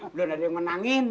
belum ada yang menangin